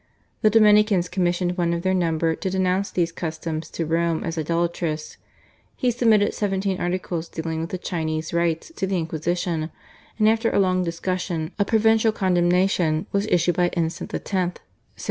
The Dominicans commissioned one of their number to denounce these customs to Rome as idolatrous. He submitted seventeen articles dealing with the Chinese Rites to the Inquisition, and after a long discussion a provisional condemnation was issued by Innocent X.